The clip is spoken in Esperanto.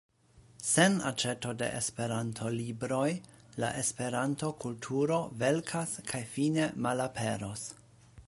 Sen aĉeto de Esperanto-libroj la Esperanto-kulturo velkas kaj fine malaperos.